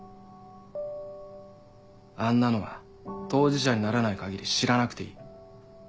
あんなのは当事者にならない限り知らなくていい。